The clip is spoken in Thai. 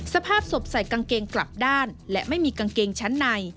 สภาพศพใส่กางเกงกลับด้านและไม่มีกางเกงชั้นใน